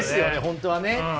本当はね。